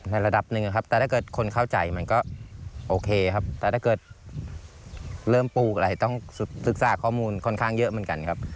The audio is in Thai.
ระดับหนึ่งครับแต่ถ้าเกิดคนเข้าใจมันก็โอเคครับแต่ถ้าเกิดเริ่มปลูกอะไรต้องศึกษาข้อมูลค่อนข้างเยอะเหมือนกันครับ